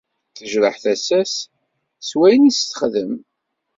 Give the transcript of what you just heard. Tejreḥ tasa-s s wayen i s-texdem